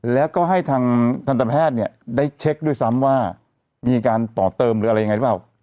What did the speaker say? แล้วก็ให้ทางทันตแพทย์ได้เช็คด้วยซ้ำว่ามีการต่อเติมหรืออะไรยังไงหรือเปล่า